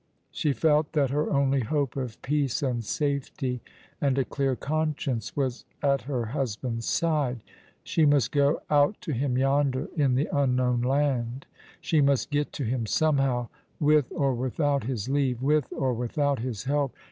She felt that her only hope of peace and safety and a clear conscience was at her husband's side. She must go out to him yonder in the unknown land. She must get to him somehow, with or without his leave — with or without his help.